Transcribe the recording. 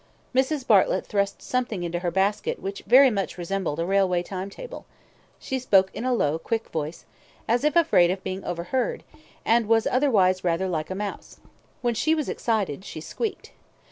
Mrs. Bartlett thrust something into her basket which very much resembled a railway time table. She spoke in a low, quick voice, as if afraid of being overheard, and was otherwise rather like a mouse. When she was excited she squeaked.